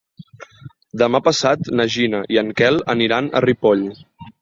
Demà passat na Gina i en Quel aniran a Ripoll.